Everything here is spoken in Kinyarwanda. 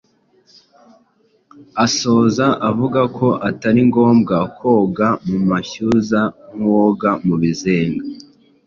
Asoza avuga ko atari ngombwa koga mu mashyuza nk’uwoga mu bizenga